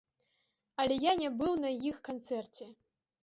Але я не быў на іх канцэрце.